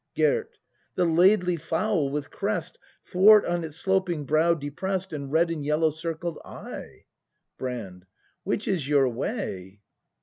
Gerd. The laidly fowl with crest Thwart on its sloping brow depress'd, And red and yellow circled eye. Brand. Which is your way